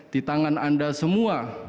di tangan anda semua